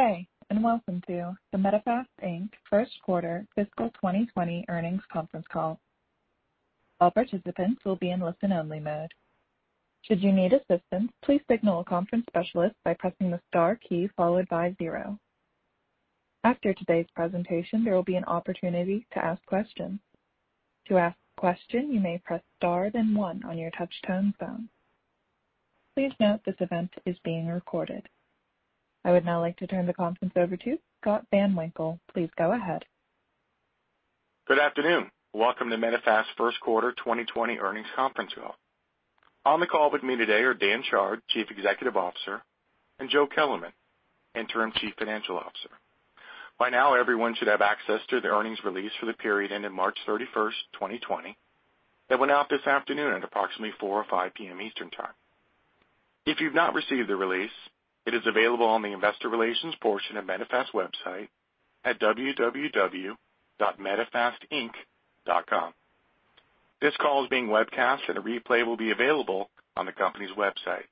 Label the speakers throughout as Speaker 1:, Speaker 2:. Speaker 1: Good day and welcome to the Medifast Inc. First Quarter Fiscal 2020 Earnings Conference Call. All participants will be in listen-only mode. Should you need assistance, please signal a conference specialist by pressing the star key followed by zero. After today's presentation, there will be an opportunity to ask questions. To ask a question, you may press star then one on your touch tone phone. Please note this event is being recorded. I would now like to turn the conference over to Scott Van Winkle. Please go ahead.
Speaker 2: Good afternoon. Welcome to Medifast First Quarter 2020 Earnings Conference Call. On the call with me today are Dan Chard, Chief Executive Officer, and Joe Kellerman, Interim Chief Financial Officer. By now, everyone should have access to the earnings release for the period ended March 31st, 2020, that went out this afternoon at approximately 4:05 P.M. Eastern Time. If you've not received the release, it is available on the investor relations portion of Medifast's website at www.medifastinc.com. This call is being webcast, and a replay will be available on the company's website.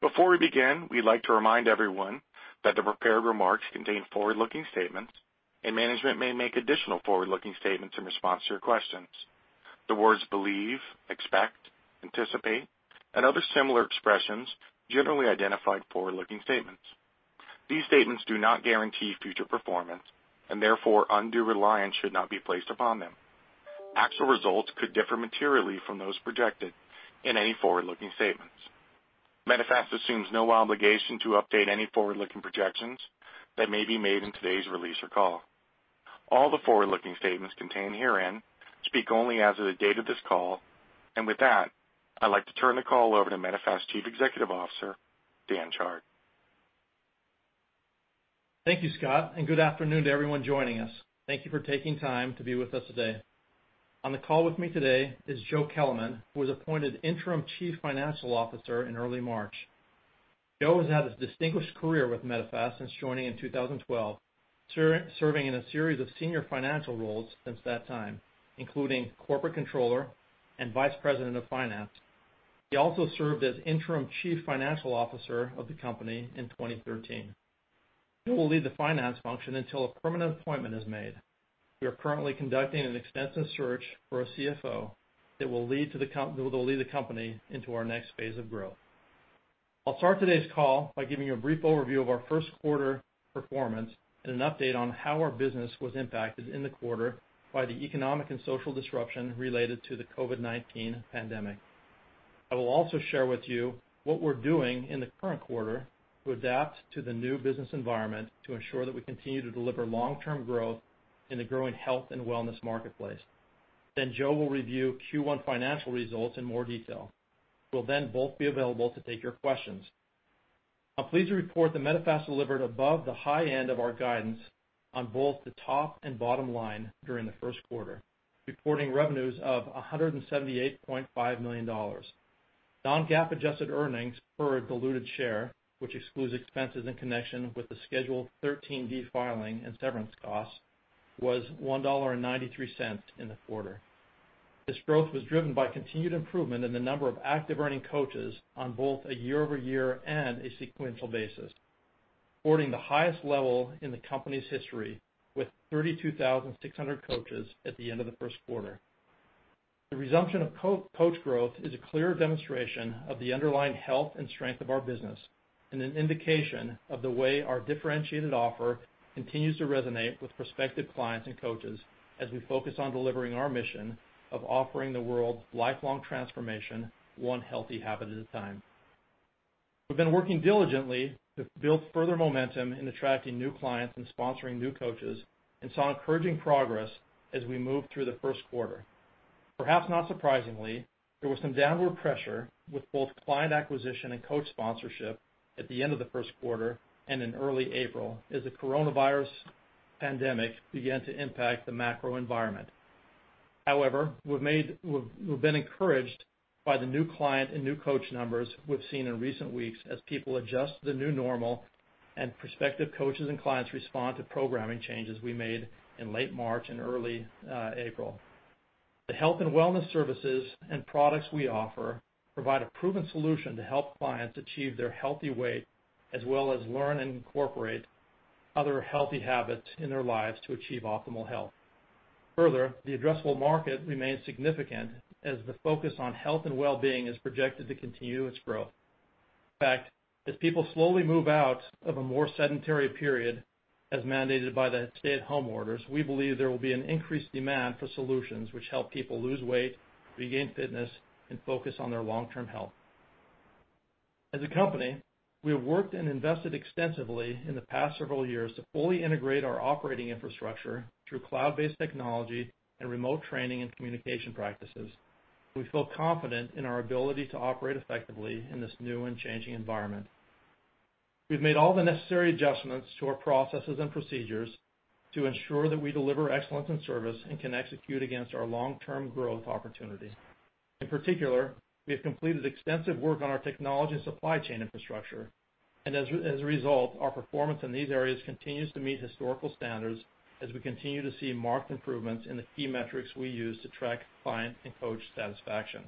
Speaker 2: Before we begin, we'd like to remind everyone that the prepared remarks contain forward-looking statements, and management may make additional forward-looking statements in response to your questions. The words believe, expect, anticipate, and other similar expressions generally identify forward-looking statements. These statements do not guarantee future performance, and therefore, undue reliance should not be placed upon them. Actual results could differ materially from those projected in any forward-looking statements. Medifast assumes no obligation to update any forward-looking projections that may be made in today's release or call. All the forward-looking statements contained herein speak only as of the date of this call, and with that, I'd like to turn the call over to Medifast Chief Executive Officer, Dan Chard.
Speaker 3: Thank you, Scott, and good afternoon to everyone joining us. Thank you for taking time to be with us today. On the call with me today is Joe Kellerman, who was appointed Interim Chief Financial Officer in early March. Joe has had a distinguished career with Medifast since joining in 2012, serving in a series of senior financial roles since that time, including Corporate Controller and Vice President of Finance. He also served as Interim Chief Financial Officer of the company in 2013. Joe will lead the finance function until a permanent appointment is made. We are currently conducting an extensive search for a CFO that will lead the company into our next phase of growth. I'll start today's call by giving you a brief overview of our first quarter performance and an update on how our business was impacted in the quarter by the economic and social disruption related to the COVID-19 pandemic. I will also share with you what we're doing in the current quarter to adapt to the new business environment to ensure that we continue to deliver long-term growth in the growing health and wellness marketplace. Then Joe will review Q1 financial results in more detail. We'll then both be available to take your questions. I'm pleased to report that Medifast delivered above the high end of our guidance on both the top and bottom line during the first quarter, reporting revenues of $178.5 million. Non-GAAP adjusted earnings per diluted share, which excludes expenses in connection with the Schedule 13-D filing and severance costs, was $1.93 in the quarter. This growth was driven by continued improvement in the number of active earning coaches on both a year-over-year and a sequential basis, reporting the highest level in the company's history with 32,600 coaches at the end of the first quarter. The resumption of coach growth is a clear demonstration of the underlying health and strength of our business and an indication of the way our differentiated offer continues to resonate with prospective clients and coaches as we focus on delivering our mission of offering the world lifelong transformation, one healthy habit at a time. We've been working diligently to build further momentum in attracting new clients and sponsoring new coaches and saw encouraging progress as we moved through the first quarter. Perhaps not surprisingly, there was some downward pressure with both client acquisition and coach sponsorship at the end of the first quarter and in early April as the coronavirus pandemic began to impact the macro environment. However, we've been encouraged by the new client and new coach numbers we've seen in recent weeks as people adjust to the new normal and prospective coaches and clients respond to programming changes we made in late March and early April. The health and wellness services and products we offer provide a proven solution to help clients achieve their healthy weight as well as learn and incorporate other healthy habits in their lives to achieve optimal health. Further, the addressable market remains significant as the focus on health and well-being is projected to continue its growth. In fact, as people slowly move out of a more sedentary period as mandated by the stay-at-home orders, we believe there will be an increased demand for solutions which help people lose weight, regain fitness, and focus on their long-term health. As a company, we have worked and invested extensively in the past several years to fully integrate our operating infrastructure through cloud-based technology and remote training and communication practices. We feel confident in our ability to operate effectively in this new and changing environment. We have made all the necessary adjustments to our processes and procedures to ensure that we deliver excellence in service and can execute against our long-term growth opportunity. In particular, we have completed extensive work on our technology and supply chain infrastructure, and as a result, our performance in these areas continues to meet historical standards as we continue to see marked improvements in the key metrics we use to track client and coach satisfaction.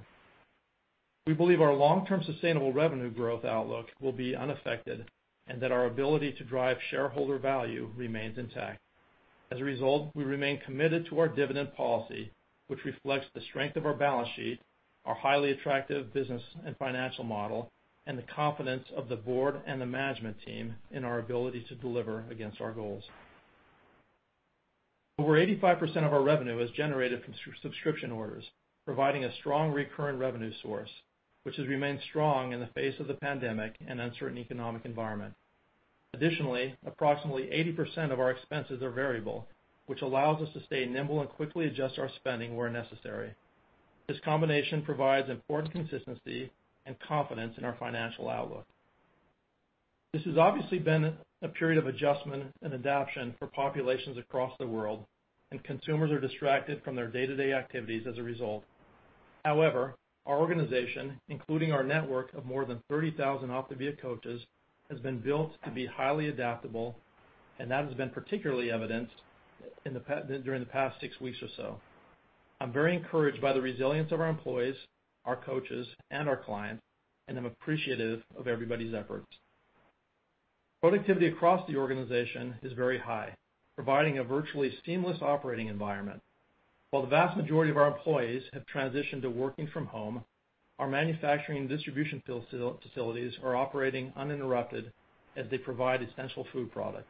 Speaker 3: We believe our long-term sustainable revenue growth outlook will be unaffected and that our ability to drive shareholder value remains intact. As a result, we remain committed to our dividend policy, which reflects the strength of our balance sheet, our highly attractive business and financial model, and the confidence of the board and the management team in our ability to deliver against our goals. Over 85% of our revenue is generated from subscription orders, providing a strong recurring revenue source, which has remained strong in the face of the pandemic and uncertain economic environment. Additionally, approximately 80% of our expenses are variable, which allows us to stay nimble and quickly adjust our spending where necessary. This combination provides important consistency and confidence in our financial outlook. This has obviously been a period of adjustment and adaption for populations across the world, and consumers are distracted from their day-to-day activities as a result. However, our organization, including our network of more than 30,000 OPTAVIA coaches, has been built to be highly adaptable, and that has been particularly evidenced during the past six weeks or so. I'm very encouraged by the resilience of our employees, our coaches, and our clients, and I'm appreciative of everybody's efforts. Productivity across the organization is very high, providing a virtually seamless operating environment. While the vast majority of our employees have transitioned to working from home, our manufacturing and distribution facilities are operating uninterrupted as they provide essential food products.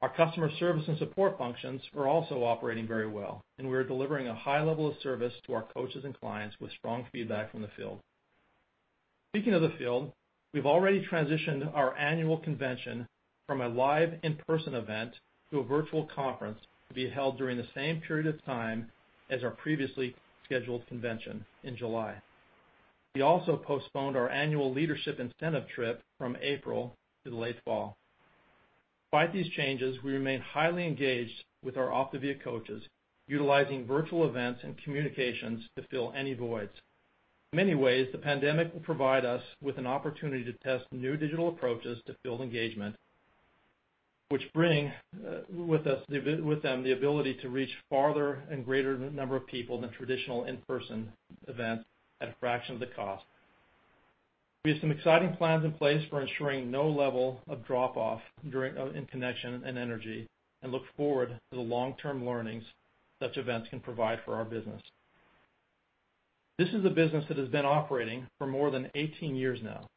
Speaker 3: Our customer service and support functions are also operating very well, and we are delivering a high level of service to our coaches and clients with strong feedback from the field. Speaking of the field, we've already transitioned our annual convention from a live in-person event to a virtual conference to be held during the same period of time as our previously scheduled convention in July. We also postponed our annual leadership incentive trip from April to the late fall. Despite these changes, we remain highly engaged with our OPTAVIA coaches, utilizing virtual events and communications to fill any voids. In many ways, the pandemic will provide us with an opportunity to test new digital approaches to field engagement, which bring with them the ability to reach farther and greater number of people than traditional in-person events at a fraction of the cost. We have some exciting plans in place for ensuring no level of drop-off in connection and energy and look forward to the long-term learnings such events can provide for our business. This is a business that has been operating for more than 18 years now,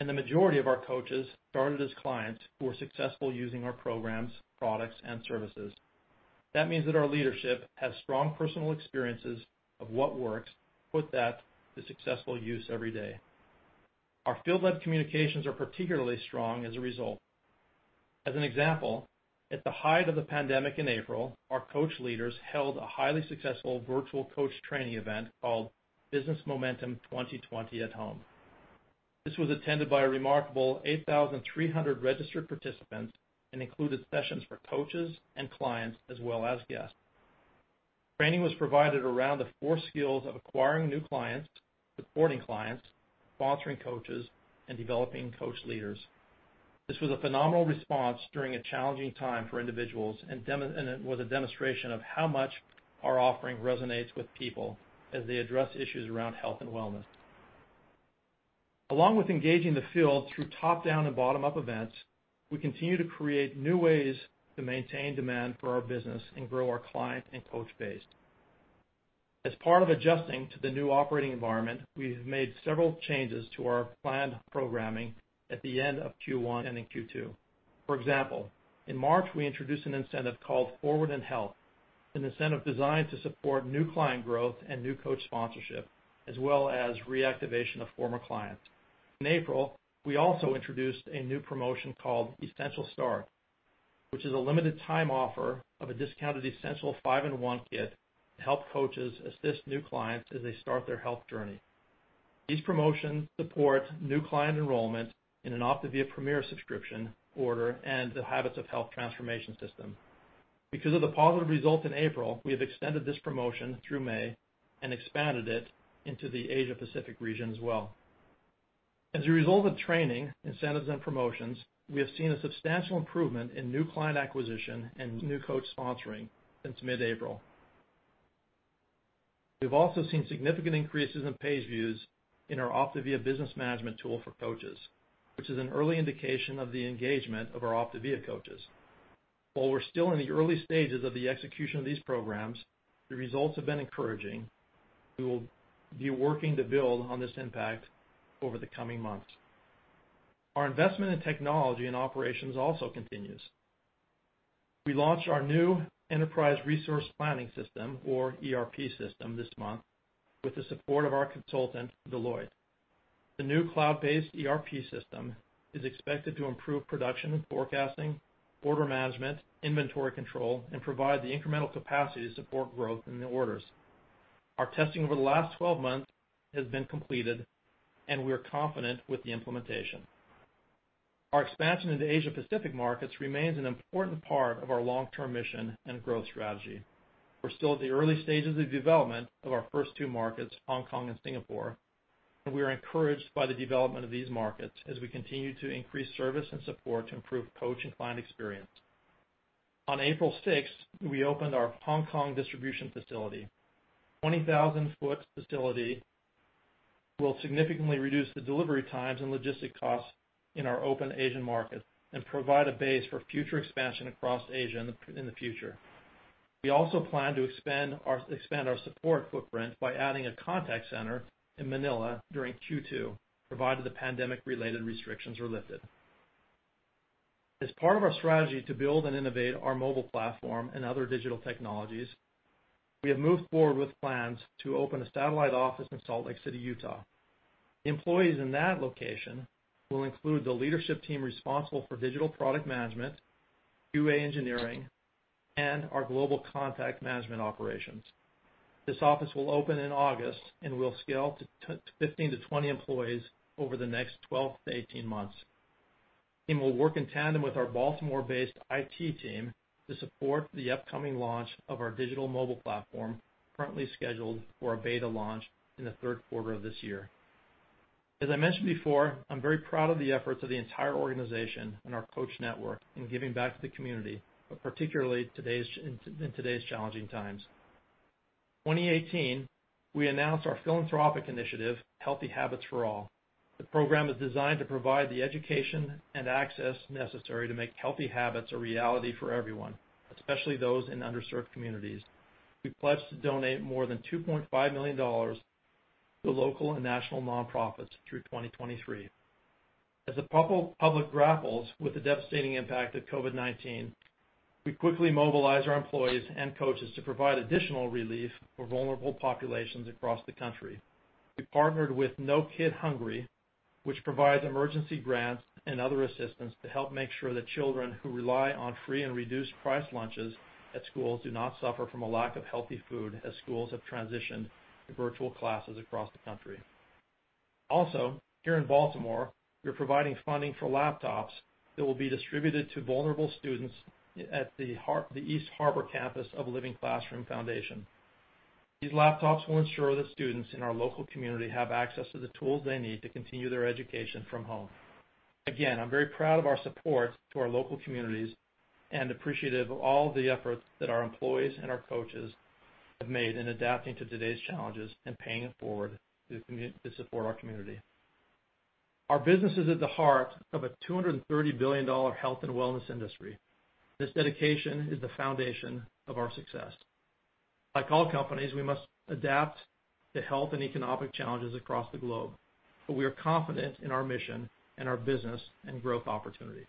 Speaker 3: and the majority of our coaches started as clients who were successful using our programs, products, and services. That means that our leadership has strong personal experiences of what works, put that to successful use every day. Our field-led communications are particularly strong as a result. As an example, at the height of the pandemic in April, our coach leaders held a highly successful virtual coach training event called Business Momentum 2020 at Home. This was attended by a remarkable 8,300 registered participants and included sessions for coaches and clients as well as guests. Training was provided around the four skills of acquiring new clients, supporting clients, sponsoring coaches, and developing coach leaders. This was a phenomenal response during a challenging time for individuals and was a demonstration of how much our offering resonates with people as they address issues around health and wellness. Along with engaging the field through top-down and bottom-up events, we continue to create new ways to maintain demand for our business and grow our client and coach base. As part of adjusting to the new operating environment, we've made several changes to our planned programming at the end of Q1 and in Q2. For example, in March, we introduced an incentive called Forward in Health, an incentive designed to support new client growth and new coach sponsorship as well as reactivation of former clients. In April, we also introduced a new promotion called Essential Start, which is a limited-time offer of a discounted Essential 5-in-1 Kit to help coaches assist new clients as they start their health journey. These promotions support new client enrollment in an OPTAVIA Premier subscription order and the Habits of Health transformation system. Because of the positive result in April, we have extended this promotion through May and expanded it into the Asia-Pacific region as well. As a result of training, incentives, and promotions, we have seen a substantial improvement in new client acquisition and new coach sponsoring since mid-April. We've also seen significant increases in page views in our OPTAVIA Business Management Tool for coaches, which is an early indication of the engagement of our OPTAVIA coaches. While we're still in the early stages of the execution of these programs, the results have been encouraging, and we will be working to build on this impact over the coming months. Our investment in technology and operations also continues. We launched our new enterprise resource planning system, or ERP system, this month with the support of our consultant, Deloitte. The new cloud-based ERP system is expected to improve production and forecasting, order management, inventory control, and provide the incremental capacity to support growth in the orders. Our testing over the last 12 months has been completed, and we are confident with the implementation. Our expansion into Asia-Pacific markets remains an important part of our long-term mission and growth strategy. We're still at the early stages of development of our first two markets, Hong Kong and Singapore, and we are encouraged by the development of these markets as we continue to increase service and support to improve coach and client experience. On April 6th, we opened our Hong Kong distribution facility. The 20,000-square-foot facility will significantly reduce the delivery times and logistic costs in our open Asian markets and provide a base for future expansion across Asia in the future. We also plan to expand our support footprint by adding a contact center in Manila during Q2, provided the pandemic-related restrictions are lifted. As part of our strategy to build and innovate our mobile platform and other digital technologies, we have moved forward with plans to open a satellite office in Salt Lake City, Utah. The employees in that location will include the leadership team responsible for digital product management, QA engineering, and our global contact management operations. This office will open in August and will scale to 15-20 employees over the next 12-18 months. The team will work in tandem with our Baltimore-based IT team to support the upcoming launch of our digital mobile platform, currently scheduled for a beta launch in the third quarter of this year. As I mentioned before, I'm very proud of the efforts of the entire organization and our coach network in giving back to the community, particularly in today's challenging times. In 2018, we announced our philanthropic initiative, Healthy Habits for All. The program is designed to provide the education and access necessary to make healthy habits a reality for everyone, especially those in underserved communities. We pledged to donate more than $2.5 million to local and national nonprofits through 2023. As the public grapples with the devastating impact of COVID-19, we quickly mobilized our employees and coaches to provide additional relief for vulnerable populations across the country. We partnered with No Kid Hungry, which provides emergency grants and other assistance to help make sure that children who rely on free and reduced-price lunches at schools do not suffer from a lack of healthy food as schools have transitioned to virtual classes across the country. Also, here in Baltimore, we're providing funding for laptops that will be distributed to vulnerable students at the East Harbor campus of Living Classrooms Foundation. These laptops will ensure that students in our local community have access to the tools they need to continue their education from home. Again, I'm very proud of our support to our local communities and appreciative of all the efforts that our employees and our coaches have made in adapting to today's challenges and paying it forward to support our community. Our business is at the heart of a $230 billion health and wellness industry. This dedication is the foundation of our success. Like all companies, we must adapt to health and economic challenges across the globe, but we are confident in our mission and our business and growth opportunity.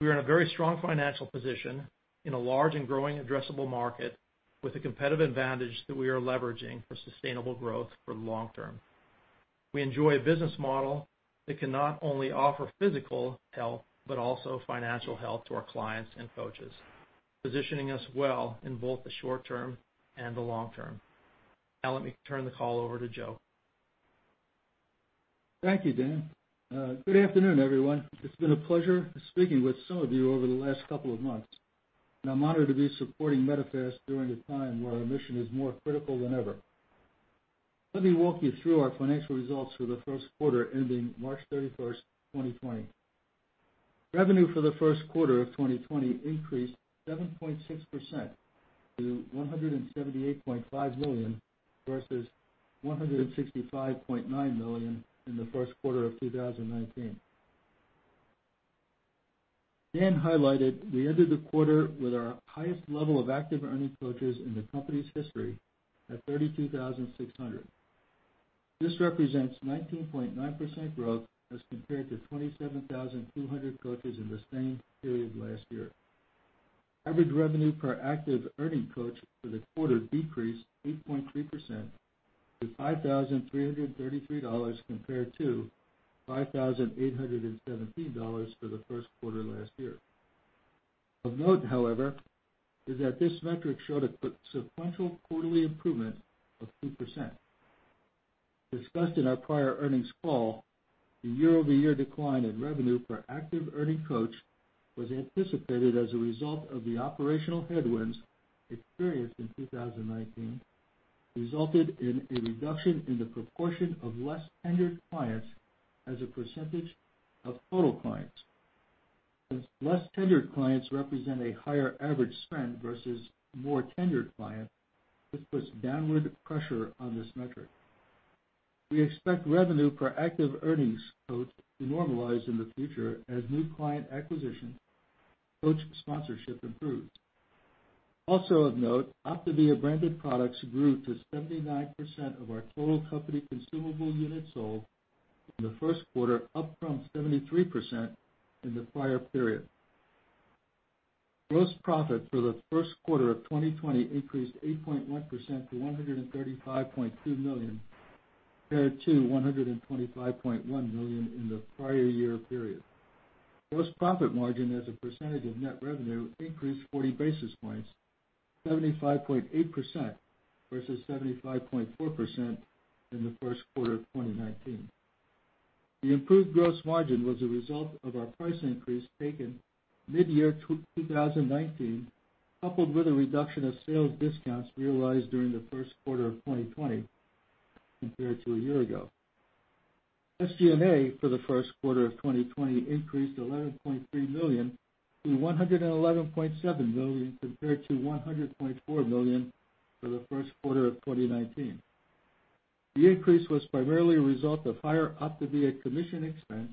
Speaker 3: We are in a very strong financial position in a large and growing addressable market with a competitive advantage that we are leveraging for sustainable growth for the long term. We enjoy a business model that can not only offer physical health but also financial health to our clients and coaches, positioning us well in both the short term and the long term. Now, let me turn the call over to Joe.
Speaker 4: Thank you, Dan. Good afternoon, everyone. It's been a pleasure speaking with some of you over the last couple of months, and I'm honored to be supporting Medifast during a time where our mission is more critical than ever. Let me walk you through our financial results for the first quarter ending March 31st, 2020. Revenue for the first quarter of 2020 increased 7.6% to $178.5 million versus $165.9 million in the first quarter of 2019. Dan highlighted we entered the quarter with our highest level of active earning coaches in the company's history at 32,600. This represents 19.9% growth as compared to 27,200 coaches in the same period last year. Average revenue per active earning coach for the quarter decreased 8.3% to $5,333 compared to $5,817 for the first quarter last year. Of note, however, is that this metric showed a sequential quarterly improvement of 2%. Discussed in our prior earnings call, the year-over-year decline in revenue per active earning coach was anticipated as a result of the operational headwinds experienced in 2019, resulted in a reduction in the proportion of less tenured clients as a percentage of total clients. Less tenured clients represent a higher average spend versus more tenured clients, which puts downward pressure on this metric. We expect revenue per active earnings coach to normalize in the future as new client acquisition, coach sponsorship improves. Also, of note, OPTAVIA branded products grew to 79% of our total company consumable units sold in the first quarter, up from 73% in the prior period. Gross profit for the first quarter of 2020 increased 8.1% to $135.2 million compared to $125.1 million in the prior year period. Gross profit margin as a percentage of net revenue increased 40 basis points, 75.8% versus 75.4% in the first quarter of 2019. The improved gross margin was a result of our price increase taken mid-year 2019, coupled with a reduction of sales discounts realized during the first quarter of 2020 compared to a year ago. SG&A for the first quarter of 2020 increased $11.3 million to $111.7 million compared to $100.4 million for the first quarter of 2019. The increase was primarily a result of higher OPTAVIA commission expense,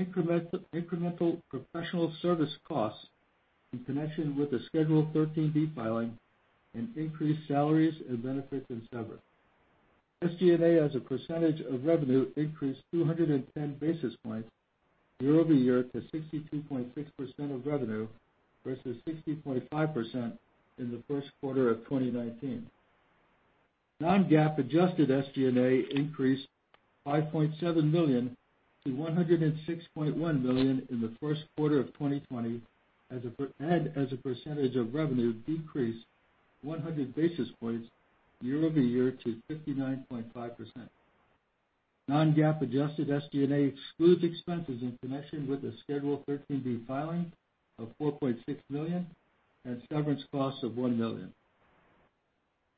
Speaker 4: incremental professional service costs in connection with the Schedule 13D filing, and increased salaries and benefits and severance. SG&A as a percentage of revenue increased 210 basis points year-over-year to 62.6% of revenue versus 60.5% in the first quarter of 2019. Non-GAAP adjusted SG&A increased $5.7 million to $106.1 million in the first quarter of 2020, and as a percentage of revenue decreased 100 basis points year-over-year to 59.5%. Non-GAAP adjusted SG&A excludes expenses in connection with the Schedule 13-D filing of $4.6 million and severance costs of $1 million.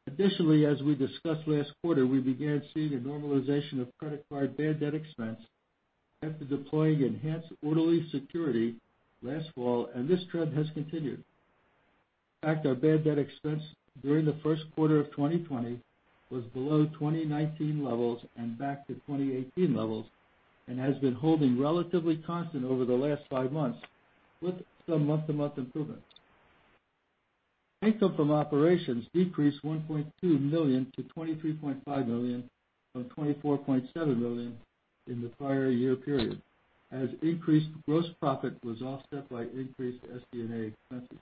Speaker 4: Additionally, as we discussed last quarter, we began seeing a normalization of credit card bad debt expense after deploying enhanced fraud security last fall, and this trend has continued. In fact, our bad debt expense during the first quarter of 2020 was below 2019 levels and back to 2018 levels and has been holding relatively constant over the last five months with some month-to-month improvement. Income from operations decreased $1.2 million to $23.5 million from $24.7 million in the prior year period as increased gross profit was offset by increased SG&A expenses.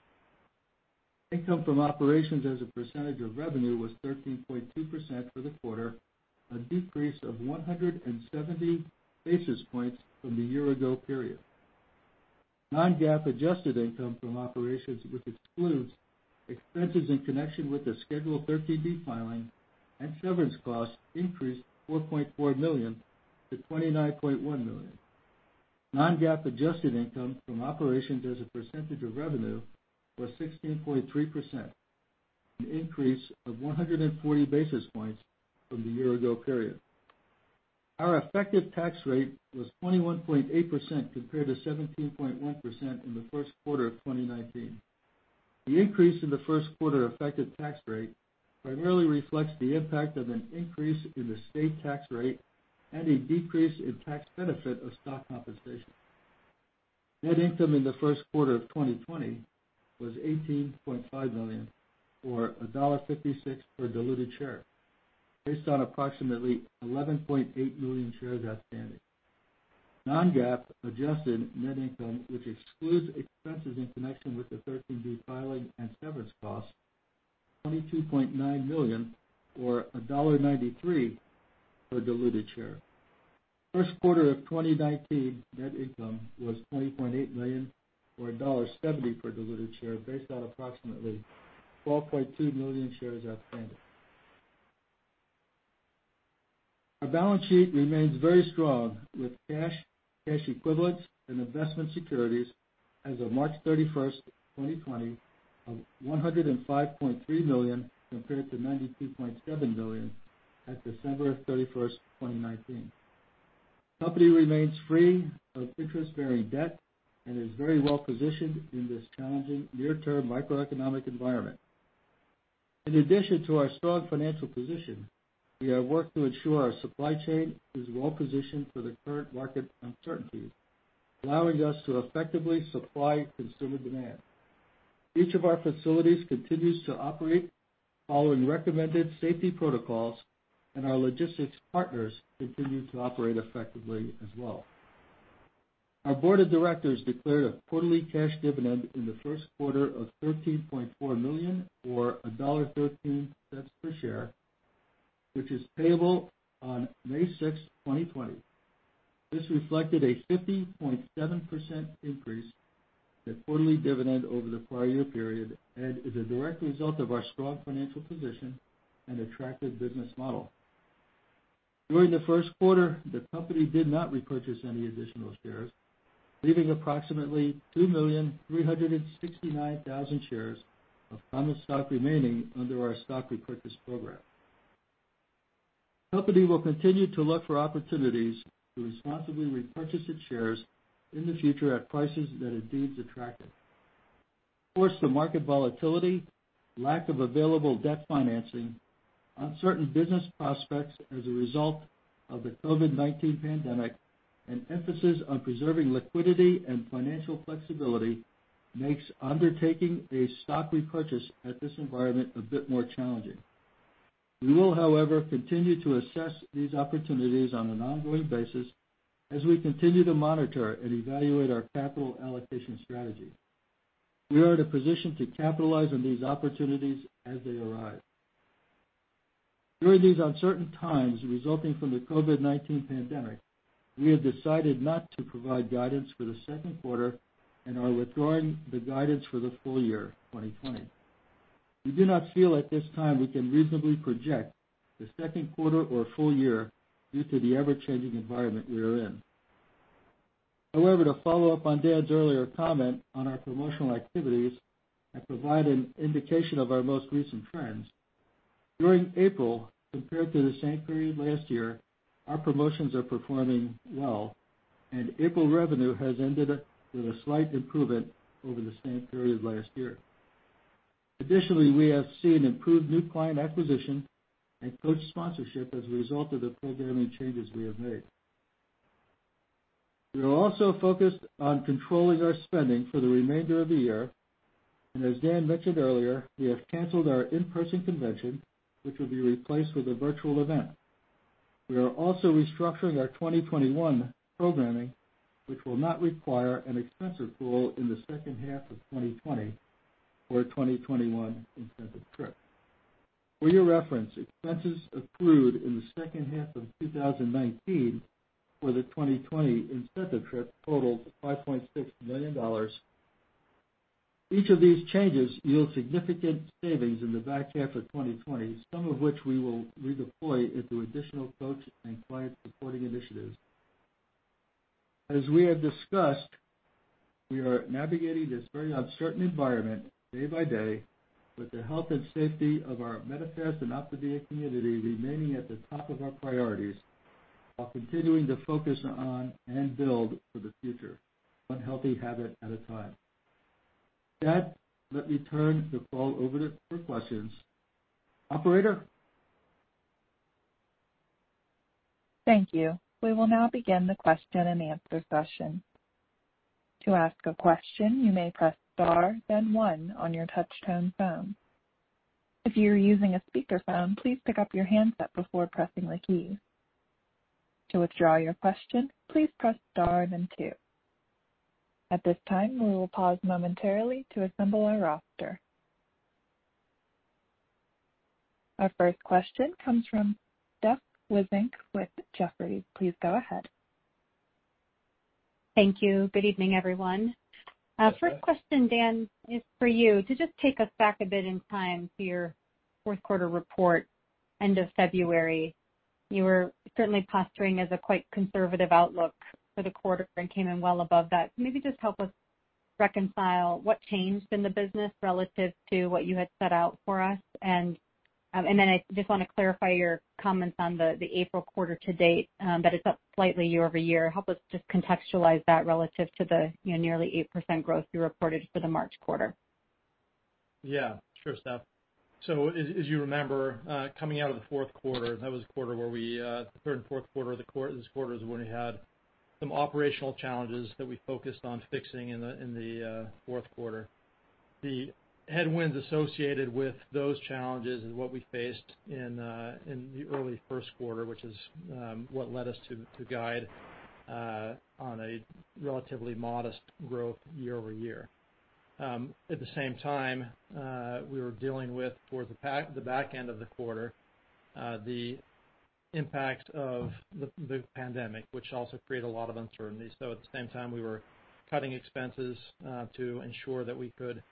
Speaker 4: Income from operations as a percentage of revenue was 13.2% for the quarter, a decrease of 170 basis points from the year-ago period. Non-GAAP adjusted income from operations, which excludes expenses in connection with the Schedule 13B filing and severance costs, increased $4.4 million to $29.1 million. Non-GAAP adjusted income from operations as a percentage of revenue was 16.3%, an increase of 140 basis points from the year-ago period. Our effective tax rate was 21.8% compared to 17.1% in the first quarter of 2019. The increase in the first quarter effective tax rate primarily reflects the impact of an increase in the state tax rate and a decrease in tax benefit of stock compensation. Net income in the first quarter of 2020 was $18.5 million or $1.56 per diluted share, based on approximately 11.8 million shares outstanding. Non-GAAP adjusted net income, which excludes expenses in connection with the 13D filing and severance costs, was $22.9 million or $1.93 per diluted share. First quarter of 2019 net income was $20.8 million or $1.70 per diluted share, based on approximately 12.2 million shares outstanding. Our balance sheet remains very strong with cash, cash equivalents, and investment securities as of March 31st, 2020, of $105.3 million compared to $92.7 million at December 31st, 2019. The company remains free of interest-bearing debt and is very well positioned in this challenging near-term microeconomic environment. In addition to our strong financial position, we have worked to ensure our supply chain is well positioned for the current market uncertainties, allowing us to effectively supply consumer demand. Each of our facilities continues to operate following recommended safety protocols, and our logistics partners continue to operate effectively as well. Our board of directors declared a quarterly cash dividend in the first quarter of $13.4 million or $1.13 per share, which is payable on May 6th, 2020. This reflected a 50.7% increase in the quarterly dividend over the prior year period and is a direct result of our strong financial position and attractive business model. During the first quarter, the company did not repurchase any additional shares, leaving approximately 2,369,000 shares of common stock remaining under our stock repurchase program. The company will continue to look for opportunities to responsibly repurchase its shares in the future at prices that it deems attractive. Of course, the market volatility, lack of available debt financing, uncertain business prospects as a result of the COVID-19 pandemic, and emphasis on preserving liquidity and financial flexibility makes undertaking a stock repurchase at this environment a bit more challenging. We will, however, continue to assess these opportunities on an ongoing basis as we continue to monitor and evaluate our capital allocation strategy. We are in a position to capitalize on these opportunities as they arise. During these uncertain times resulting from the COVID-19 pandemic, we have decided not to provide guidance for the second quarter and are withdrawing the guidance for the full year, 2020. We do not feel at this time we can reasonably project the second quarter or full year due to the ever-changing environment we are in. However, to follow up on Dan's earlier comment on our promotional activities, I provide an indication of our most recent trends. During April, compared to the same period last year, our promotions are performing well, and April revenue has ended with a slight improvement over the same period last year. Additionally, we have seen improved new client acquisition and coach sponsorship as a result of the programming changes we have made. We are also focused on controlling our spending for the remainder of the year, and as Dan mentioned earlier, we have canceled our in-person convention, which will be replaced with a virtual event. We are also restructuring our 2021 programming, which will not require an expensive pool in the second half of 2020 for a 2021 incentive trip. For your reference, expenses accrued in the second half of 2019 for the 2020 incentive trip totaled $5.6 million. Each of these changes yields significant savings in the back half of 2020, some of which we will redeploy into additional coach and client supporting initiatives. As we have discussed, we are navigating this very uncertain environment day by day with the health and safety of our Medifast and OPTAVIA community remaining at the top of our priorities while continuing to focus on and build for the future, one healthy habit at a time. With that, let me turn the call over for questions. Operator?
Speaker 1: Thank you. We will now begin the question and answer session. To ask a question, you may press Star, then 1 on your touch-tone phone. If you're using a speakerphone, please pick up your handset before pressing the keys. To withdraw your question, please press Star, then 2. At this time, we will pause momentarily to assemble our roster. Our first question comes from Steph Wissink with Jefferies. Please go ahead.
Speaker 5: Thank you. Good evening, everyone. First question, Dan, is for you. To just take us back a bit in time to your fourth quarter report, end of February, you were certainly posturing as a quite conservative outlook for the quarter and came in well above that. Maybe just help us reconcile what changed in the business relative to what you had set out for us. And then I just want to clarify your comments on the April quarter to date, that it's up slightly year-over-year. Help us just contextualize that relative to the nearly 8% growth you reported for the March quarter.
Speaker 3: Yeah. Sure, Steph. So as you remember, coming out of the fourth quarter, that was a quarter where we—the third and fourth quarter of this quarter is when we had some operational challenges that we focused on fixing in the fourth quarter. The headwinds associated with those challenges is what we faced in the early first quarter, which is what led us to guide on a relatively modest growth year-over-year. At the same time, we were dealing with, towards the back end of the quarter, the impact of the pandemic, which also created a lot of uncertainty. So at the same time, we were cutting expenses to ensure that we could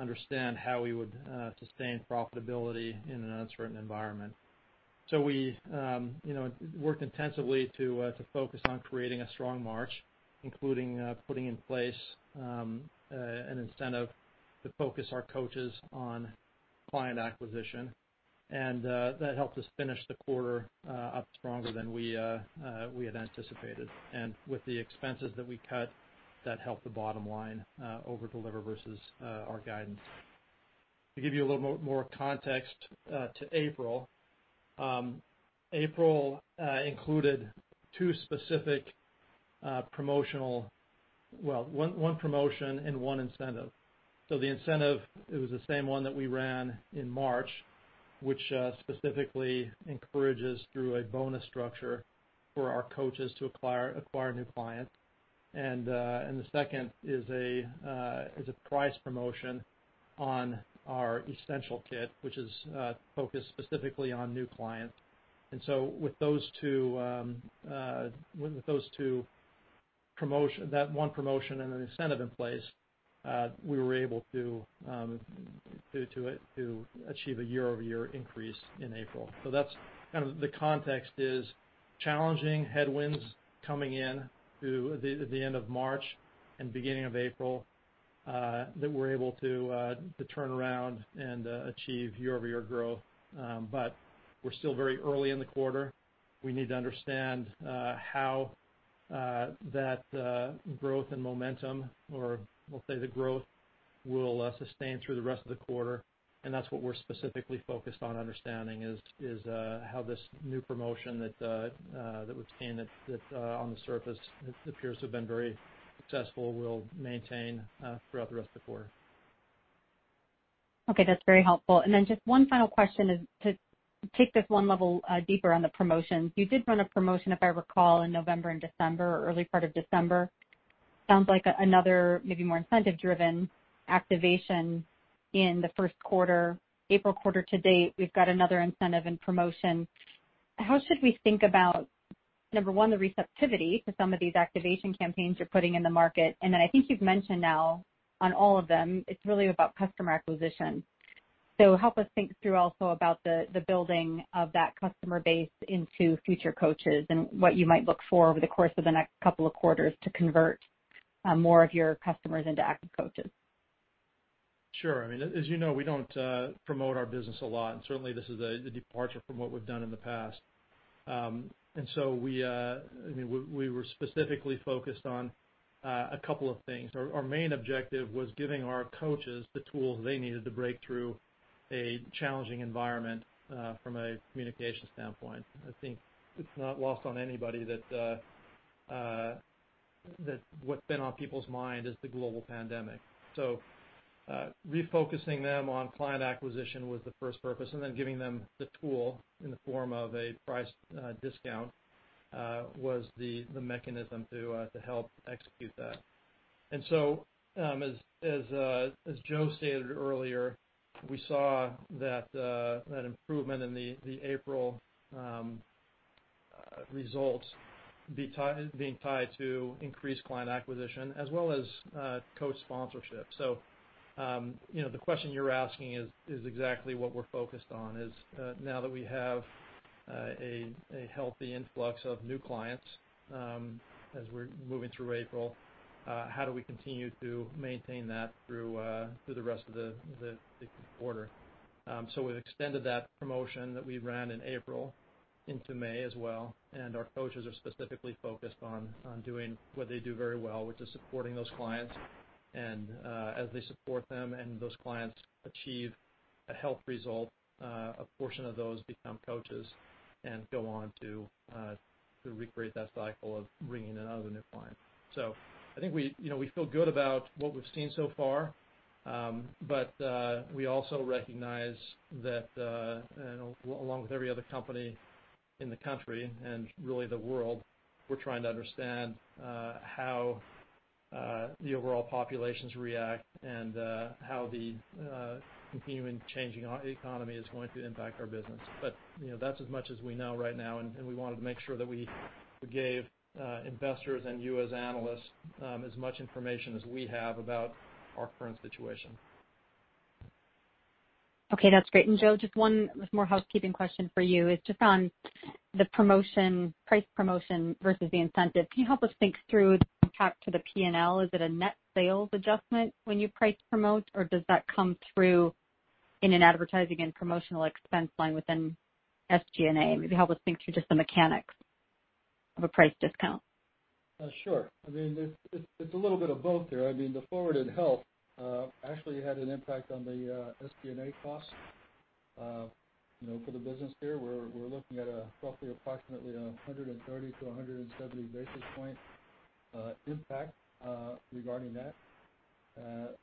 Speaker 3: understand how we would sustain profitability in an uncertain environment. So we worked intensively to focus on creating a strong March, including putting in place an incentive to focus our coaches on client acquisition. And that helped us finish the quarter up stronger than we had anticipated. And with the expenses that we cut, that helped the bottom line overdeliver versus our guidance. To give you a little more context to April, April included two specific promotional, well, one promotion and one incentive. So the incentive, it was the same one that we ran in March, which specifically encourages, through a bonus structure, for our coaches to acquire new clients. And the second is a price promotion on our essential kit, which is focused specifically on new clients. And so with those two promotions, that one promotion and an incentive in place, we were able to achieve a year-over-year increase in April. So that's kind of the context: challenging headwinds coming in through the end of March and beginning of April that we're able to turn around and achieve year-over-year growth. We're still very early in the quarter. We need to understand how that growth and momentum, or we'll say the growth, will sustain through the rest of the quarter. That's what we're specifically focused on understanding, is how this new promotion that we've seen on the surface appears to have been very successful will maintain throughout the rest of the quarter.
Speaker 5: Okay. That's very helpful. And then just one final question to take this one level deeper on the promotions. You did run a promotion, if I recall, in November and December, early part of December. Sounds like another, maybe more incentive-driven activation in the first quarter. April quarter to date, we've got another incentive and promotion. How should we think about, number one, the receptivity to some of these activation campaigns you're putting in the market? And then I think you've mentioned now, on all of them, it's really about customer acquisition. So help us think through also about the building of that customer base into future coaches and what you might look for over the course of the next couple of quarters to convert more of your customers into active coaches.
Speaker 3: Sure. I mean, as you know, we don't promote our business a lot, and certainly, this is a departure from what we've done in the past, and so we were specifically focused on a couple of things. Our main objective was giving our coaches the tools they needed to break through a challenging environment from a communication standpoint. I think it's not lost on anybody that what's been on people's mind is the global pandemic, so refocusing them on client acquisition was the first purpose, and then giving them the tool in the form of a price discount was the mechanism to help execute that, and so as Joe stated earlier, we saw that improvement in the April results being tied to increased client acquisition as well as coach sponsorship. So the question you're asking is exactly what we're focused on, is now that we have a healthy influx of new clients as we're moving through April, how do we continue to maintain that through the rest of the quarter? So we've extended that promotion that we ran in April into May as well. And our coaches are specifically focused on doing what they do very well, which is supporting those clients. And as they support them and those clients achieve a health result, a portion of those become coaches and go on to recreate that cycle of bringing in other new clients. I think we feel good about what we've seen so far, but we also recognize that along with every other company in the country and really the world, we're trying to understand how the overall populations react and how the continuing changing economy is going to impact our business. But that's as much as we know right now. We wanted to make sure that we gave investors and you as analysts as much information as we have about our current situation.
Speaker 5: Okay. That's great. And Joe, just one more housekeeping question for you is just on the price promotion versus the incentive. Can you help us think through the impact to the P&L? Is it a net sales adjustment when you price promote, or does that come through in an advertising and promotional expense line within SG&A? Maybe help us think through just the mechanics of a price discount.
Speaker 4: Sure. I mean, it's a little bit of both here. I mean, the Forward in Health actually had an impact on the SG&A costs for the business here. We're looking at roughly approximately a 130-170 basis point impact regarding that.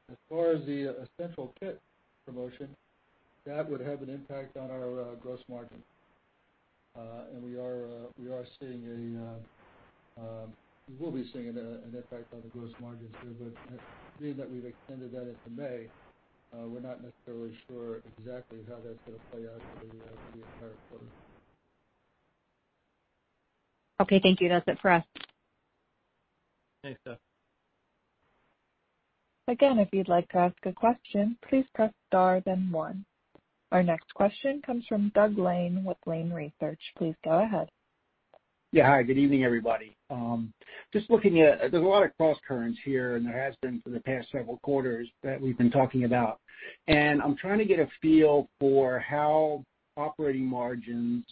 Speaker 4: As far as the Essential kit promotion, that would have an impact on our gross margin. And we are seeing, we'll be seeing an impact on the gross margins here. But being that we've extended that into May, we're not necessarily sure exactly how that's going to play out for the entire quarter.
Speaker 5: Okay. Thank you. That's it for us.
Speaker 3: Thanks, Steph.
Speaker 1: Again, if you'd like to ask a question, please press Star, then 1. Our next question comes from Doug Lane with Lane Research. Please go ahead.
Speaker 6: Yeah. Hi. Good evening, everybody. Just looking at, there's a lot of cross currents here, and there has been for the past several quarters that we've been talking about. And I'm trying to get a feel for how operating margins,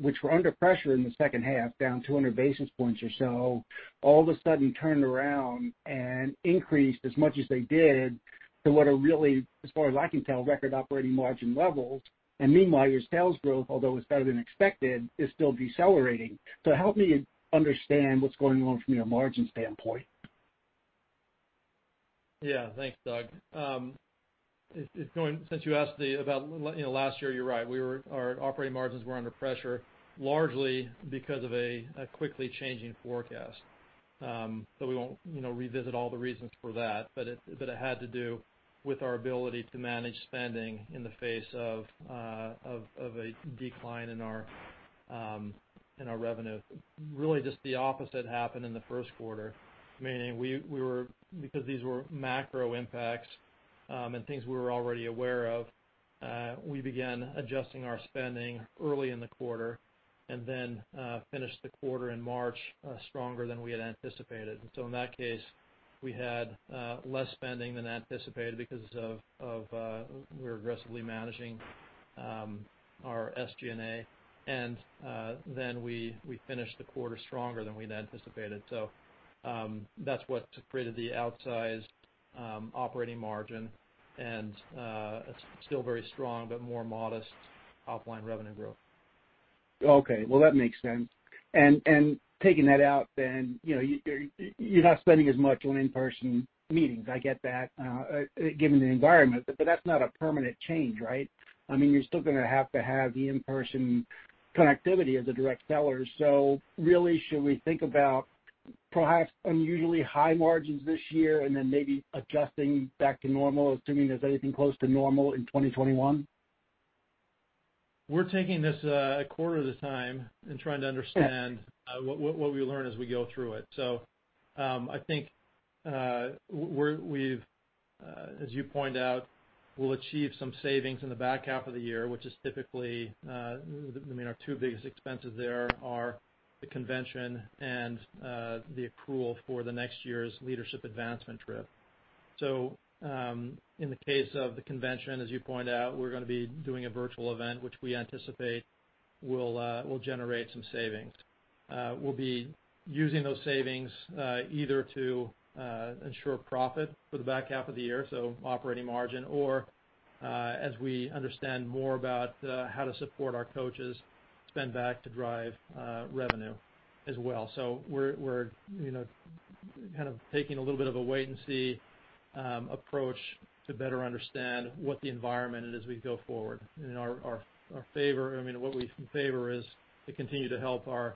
Speaker 6: which were under pressure in the second half, down 200 basis points or so, all of a sudden turned around and increased as much as they did to what are really, as far as I can tell, record operating margin levels. And meanwhile, your sales growth, although it's better than expected, is still decelerating. So help me understand what's going on from your margin standpoint.
Speaker 4: Yeah. Thanks, Doug. Since you asked about last year, you're right. Our operating margins were under pressure largely because of a quickly changing forecast. So we won't revisit all the reasons for that, but it had to do with our ability to manage spending in the face of a decline in our revenue. Really, just the opposite happened in the first quarter, meaning we were, because these were macro impacts and things we were already aware of, we began adjusting our spending early in the quarter and then finished the quarter in March stronger than we had anticipated. And so in that case, we had less spending than anticipated because we were aggressively managing our SG&A. And then we finished the quarter stronger than we'd anticipated. So that's what created the outsized operating margin and still very strong but more modest offline revenue growth.
Speaker 6: Okay. Well, that makes sense. And taking that out, then you're not spending as much on in-person meetings. I get that, given the environment. But that's not a permanent change, right? I mean, you're still going to have to have the in-person connectivity as a direct seller. So really, should we think about perhaps unusually high margins this year and then maybe adjusting back to normal, assuming there's anything close to normal in 2021?
Speaker 3: We're taking this quarter at a time and trying to understand what we learn as we go through it. So I think, as you point out, we'll achieve some savings in the back half of the year, which is typically, I mean, our two biggest expenses there are the convention and the accrual for the next year's leadership advancement trip. So in the case of the convention, as you point out, we're going to be doing a virtual event, which we anticipate will generate some savings. We'll be using those savings either to ensure profit for the back half of the year, so operating margin, or as we understand more about how to support our coaches, spend back to drive revenue as well. So we're kind of taking a little bit of a wait-and-see approach to better understand what the environment is as we go forward. And our favor—I mean, what we favor is to continue to help our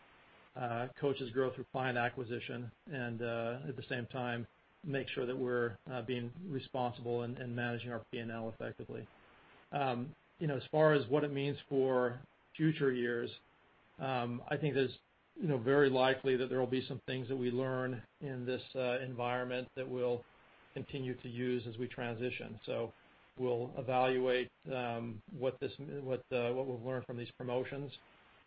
Speaker 3: coaches grow through client acquisition and at the same time make sure that we're being responsible and managing our P&L effectively. As far as what it means for future years, I think there's very likely that there will be some things that we learn in this environment that we'll continue to use as we transition. So we'll evaluate what we've learned from these promotions.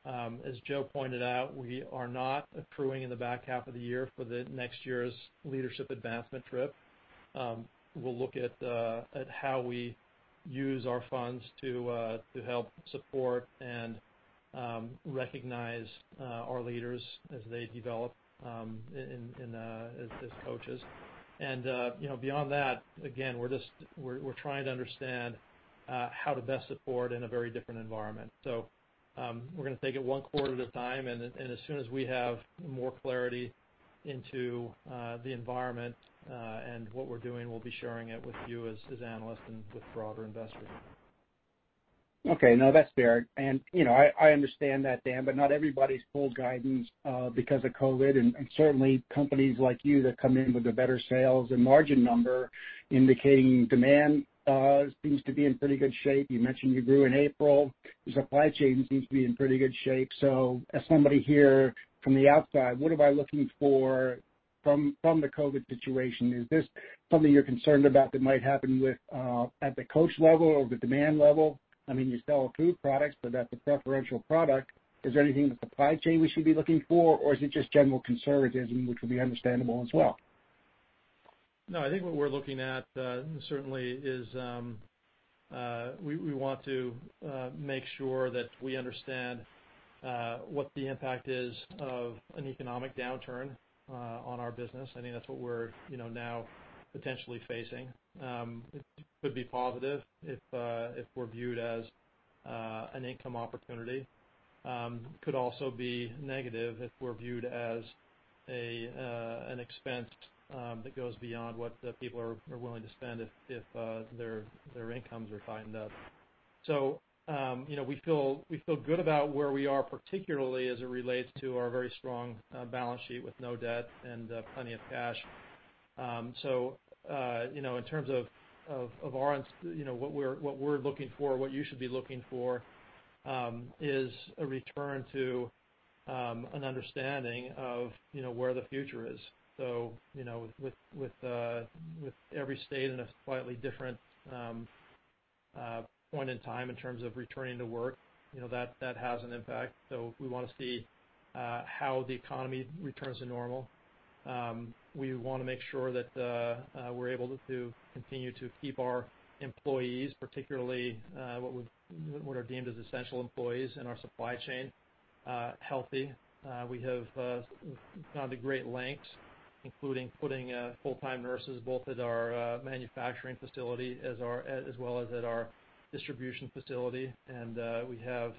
Speaker 3: As Joe pointed out, we are not accruing in the back half of the year for the next year's leadership advancement trip. We'll look at how we use our funds to help support and recognize our leaders as they develop as coaches. And beyond that, again, we're trying to understand how to best support in a very different environment. So we're going to take it one quarter at a time. As soon as we have more clarity into the environment and what we're doing, we'll be sharing it with you as analysts and with broader investors.
Speaker 6: Okay. No, that's fair. And I understand that, Dan, but not everybody's full guidance because of COVID. And certainly, companies like you that come in with a better sales and margin number indicating demand seems to be in pretty good shape. You mentioned you grew in April. The supply chain seems to be in pretty good shape. So as somebody here from the outside, what am I looking for from the COVID situation? Is this something you're concerned about that might happen at the coach level or the demand level? I mean, you sell food products, but that's a preferential product. Is there anything in the supply chain we should be looking for, or is it just general conservatism, which would be understandable as well?
Speaker 3: No. I think what we're looking at certainly is we want to make sure that we understand what the impact is of an economic downturn on our business. I think that's what we're now potentially facing. It could be positive if we're viewed as an income opportunity. It could also be negative if we're viewed as an expense that goes beyond what people are willing to spend if their incomes are tightened up. So we feel good about where we are, particularly as it relates to our very strong balance sheet with no debt and plenty of cash. So in terms of what we're looking for, what you should be looking for is a return to an understanding of where the future is. So with every state in a slightly different point in time in terms of returning to work, that has an impact. So we want to see how the economy returns to normal. We want to make sure that we're able to continue to keep our employees, particularly what are deemed as essential employees in our supply chain, healthy. We have gone to great lengths, including putting full-time nurses both at our manufacturing facility as well as at our distribution facility. And we have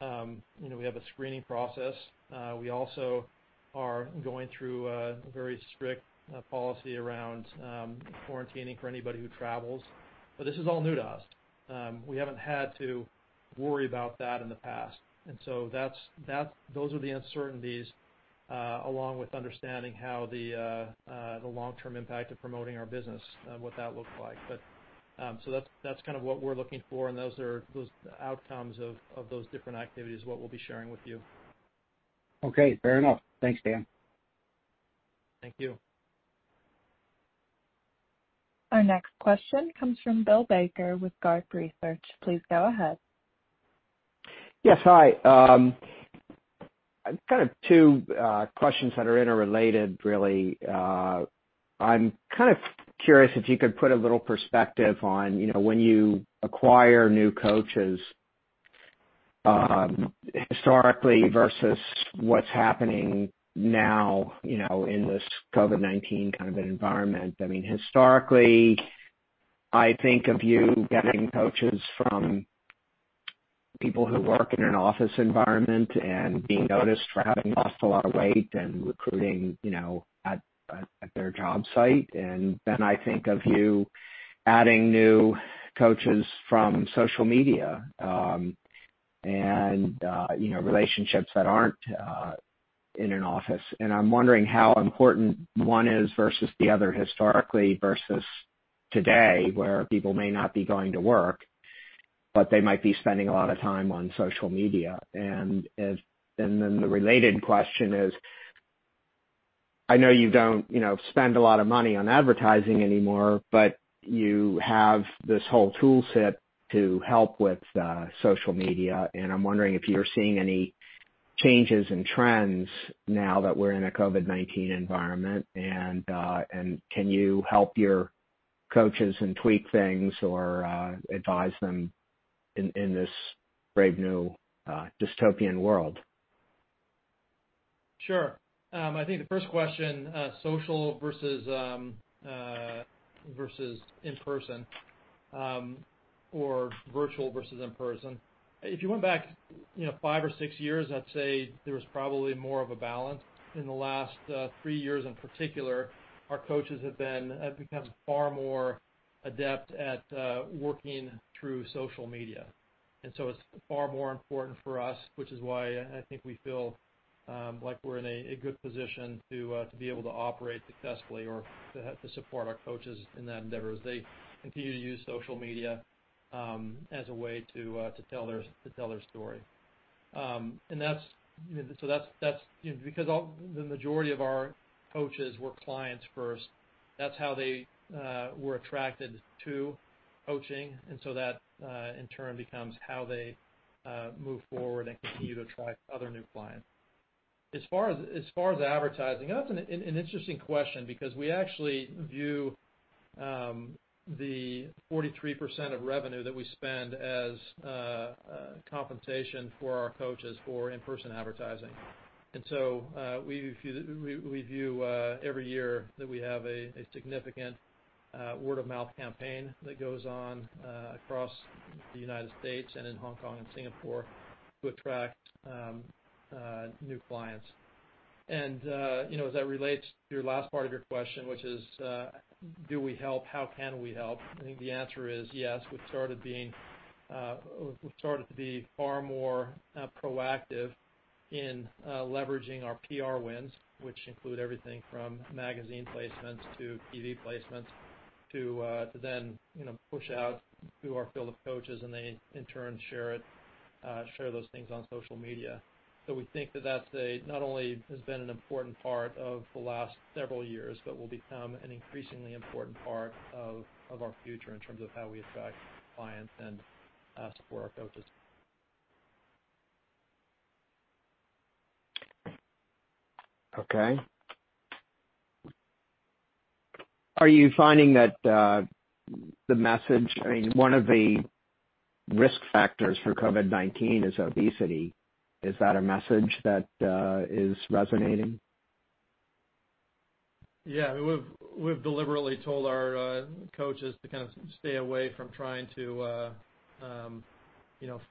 Speaker 3: a screening process. We also are going through a very strict policy around quarantining for anybody who travels. But this is all new to us. We haven't had to worry about that in the past. And so those are the uncertainties along with understanding how the long-term impact of promoting our business, what that looks like. So that's kind of what we're looking for. And those are the outcomes of those different activities is what we'll be sharing with you.
Speaker 6: Okay. Fair enough. Thanks, Dan.
Speaker 3: Thank you.
Speaker 1: Our next question comes from Bill Baker with Garth Research. Please go ahead.
Speaker 7: Yes. Hi. Kind of two questions that are interrelated, really. I'm kind of curious if you could put a little perspective on when you acquire new coaches historically versus what's happening now in this COVID-19 kind of an environment. I mean, historically, I think of you getting coaches from people who work in an office environment and being noticed for having lost a lot of weight and recruiting at their job site. And then I think of you adding new coaches from social media and relationships that aren't in an office. And I'm wondering how important one is versus the other historically versus today where people may not be going to work, but they might be spending a lot of time on social media. And then the related question is, I know you don't spend a lot of money on advertising anymore, but you have this whole toolset to help with social media. And I'm wondering if you're seeing any changes and trends now that we're in a COVID-19 environment. And can you help your coaches and tweak things or advise them in this brave new dystopian world?
Speaker 3: Sure. I think the first question, social versus in-person or virtual versus in-person. If you went back five or six years, I'd say there was probably more of a balance. In the last three years in particular, our coaches have become far more adept at working through social media. And so it's far more important for us, which is why I think we feel like we're in a good position to be able to operate successfully or to support our coaches in that endeavor as they continue to use social media as a way to tell their story. And so that's because the majority of our coaches were clients first. That's how they were attracted to coaching. And so that, in turn, becomes how they move forward and continue to attract other new clients. As far as advertising, that's an interesting question because we actually view the 43% of revenue that we spend as compensation for our coaches for in-person advertising. And so we view every year that we have a significant word-of-mouth campaign that goes on across the United States and in Hong Kong and Singapore to attract new clients. And as that relates to your last part of your question, which is, do we help? How can we help? I think the answer is yes. We've started to be far more proactive in leveraging our PR wins, which include everything from magazine placements to TV placements to then push out to our field of coaches, and they, in turn, share those things on social media. So, we think that that's not only has been an important part of the last several years, but will become an increasingly important part of our future in terms of how we attract clients and support our coaches.
Speaker 7: Okay. Are you finding that the message, I mean, one of the risk factors for COVID-19 is obesity. Is that a message that is resonating?
Speaker 3: Yeah. We've deliberately told our coaches to kind of stay away from trying to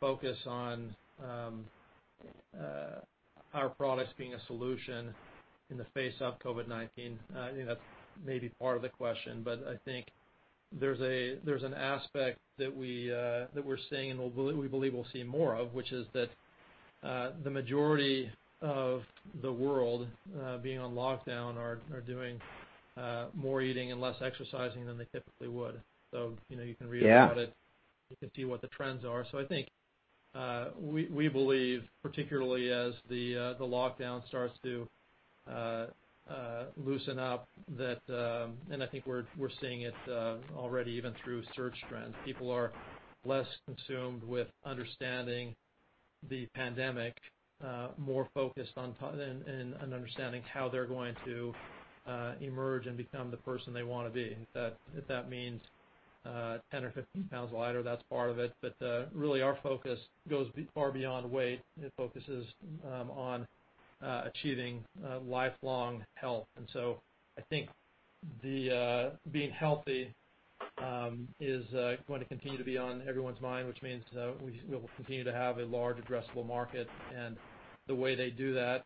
Speaker 3: focus on our products being a solution in the face of COVID-19. I think that's maybe part of the question. But I think there's an aspect that we're seeing and we believe we'll see more of, which is that the majority of the world being on lockdown are doing more eating and less exercising than they typically would. So you can read about it. You can see what the trends are. So I think we believe, particularly as the lockdown starts to loosen up, that, and I think we're seeing it already even through search trends, people are less consumed with understanding the pandemic, more focused on understanding how they're going to emerge and become the person they want to be. If that means 10 or 15 lbs lighter, that's part of it. But really, our focus goes far beyond weight. It focuses on achieving lifelong health, and so I think being healthy is going to continue to be on everyone's mind, which means we'll continue to have a large addressable market, and the way they do that,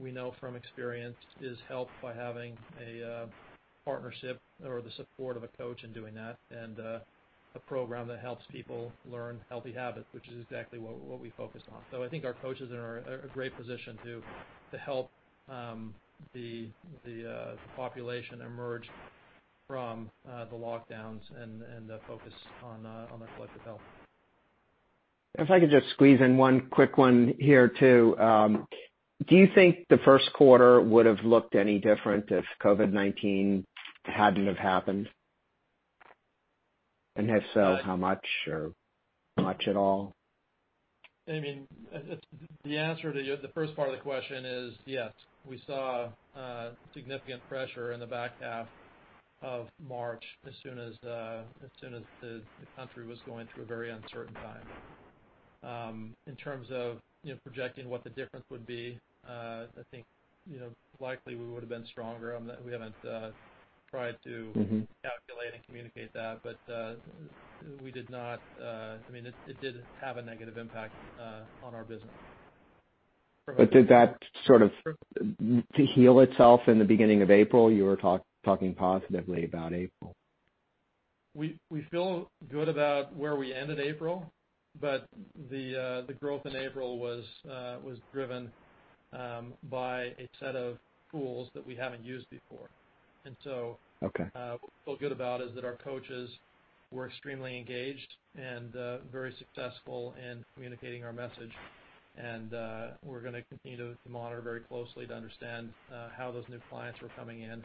Speaker 3: we know from experience, is helped by having a partnership or the support of a coach in doing that and a program that helps people learn healthy habits, which is exactly what we focus on, so I think our coaches are in a great position to help the population emerge from the lockdowns and focus on their collective health.
Speaker 7: If I could just squeeze in one quick one here too. Do you think the first quarter would have looked any different if COVID-19 hadn't have happened? And if so, how much or much at all?
Speaker 3: I mean, the answer to the first part of the question is yes. We saw significant pressure in the back half of March as soon as the country was going through a very uncertain time. In terms of projecting what the difference would be, I think likely we would have been stronger. We haven't tried to calculate and communicate that, but we did not, I mean, it did have a negative impact on our business.
Speaker 7: But did that sort of heal itself in the beginning of April? You were talking positively about April.
Speaker 3: We feel good about where we ended April, but the growth in April was driven by a set of tools that we haven't used before. And so what we feel good about is that our coaches were extremely engaged and very successful in communicating our message. And we're going to continue to monitor very closely to understand how those new clients who are coming in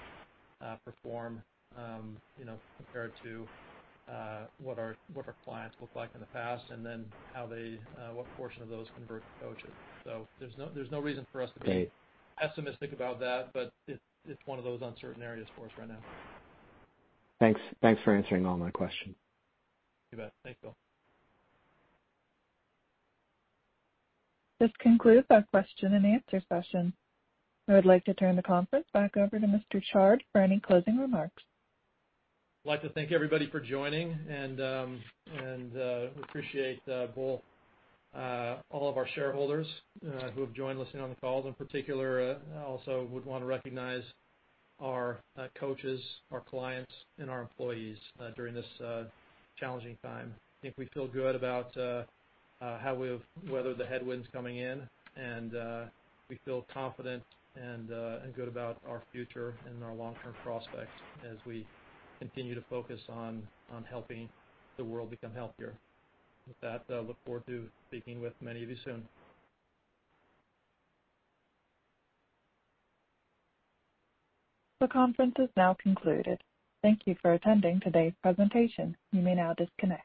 Speaker 3: perform compared to what our clients looked like in the past and then what portion of those convert to coaches. So there's no reason for us to be pessimistic about that, but it's one of those uncertain areas for us right now.
Speaker 7: Thanks. Thanks for answering all my questions.
Speaker 3: You bet. Thanks, Bill.
Speaker 1: This concludes our question-and-answer session. I would like to turn the conference back over to Mr. Chard for any closing remarks.
Speaker 3: I'd like to thank everybody for joining, and we appreciate all of our shareholders who have joined listening on the call. In particular, I also would want to recognize our coaches, our clients, and our employees during this challenging time. I think we feel good about how we've weathered the headwinds coming in, and we feel confident and good about our future and our long-term prospects as we continue to focus on helping the world become healthier. With that, I look forward to speaking with many of you soon.
Speaker 1: The conference is now concluded. Thank you for attending today's presentation. You may now disconnect.